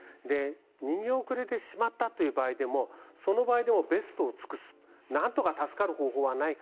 逃げ遅れてしまった場合でもその場合でもベストを尽くすなんとか助かる方法はないか。